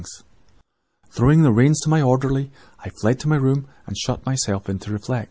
Having thrown the reins to my orderly, I flew to my room and locked myself in to think.